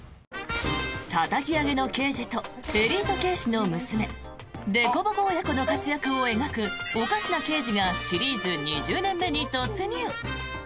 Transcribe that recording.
たたき上げの刑事とエリート警視の娘でこぼこ親子の活躍を描く「おかしな刑事」がシリーズ２０年目に突入。